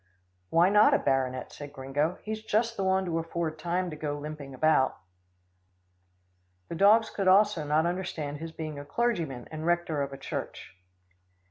"Why not a baronet?" said Gringo. "He's just the one to afford time to go limping about." The dogs also could not understand his being a clergyman and rector of a church.